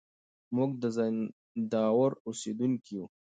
موږ د زينداور اوسېدونکي يو.